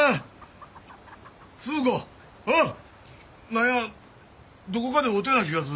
何やどこかで会うたような気がするな。